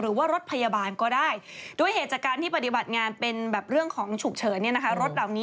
เอาเหรอเป็นชามี